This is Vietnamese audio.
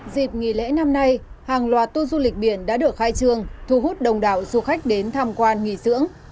dịp nghỉ lễ năm nay hàng loạt tu du lịch biển đã được khai trương thu hút đồng đạo du khách đến tham quan nghỉ dưỡng